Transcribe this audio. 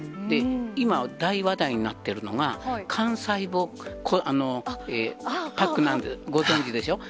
今、大話題になってるのは、幹細胞パックなんてご存じでしょう？